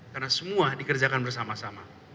karena semua dikerjakan bersama sama